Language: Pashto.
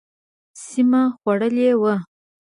سیمه خوړلې وه.